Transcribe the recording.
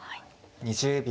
２０秒。